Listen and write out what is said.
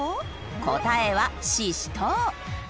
答えはししとう。